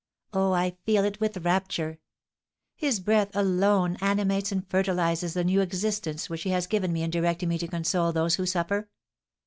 Oh, I feel it with rapture! His breath, alone, animates and fertilises the new existence which he has given me in directing me to console those who suffer.